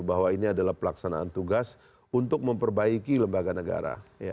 bahwa ini adalah pelaksanaan tugas untuk memperbaiki lembaga negara